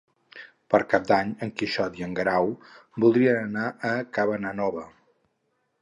Per Cap d'Any en Quixot i en Guerau voldrien anar a Cabanabona.